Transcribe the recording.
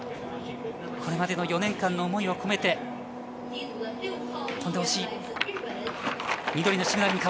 これまでの４年間の思いを込めて飛んでほしい。